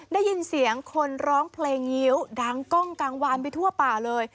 ได้ยินเสียงคนร้องเพลงงิ้วดังกล้องกลางวานไปทั่วป่าเลย